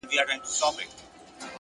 د سهار لومړۍ درز رڼا کوټه بدلوي